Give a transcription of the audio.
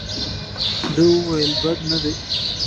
ده وویل بد نه دي.